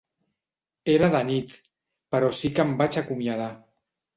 Era de nit, però sí que em vaig acomiadar.